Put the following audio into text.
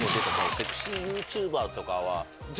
セクシーＹｏｕＴｕｂｅｒ。